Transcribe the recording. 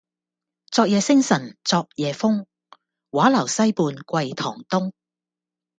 昨夜星辰昨夜風，畫樓西畔桂堂東。